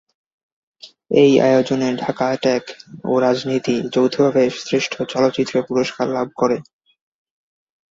এই আয়োজনে "ঢাকা অ্যাটাক" ও "রাজনীতি" যৌথভাবে শ্রেষ্ঠ চলচ্চিত্রের পুরস্কার লাভ করে।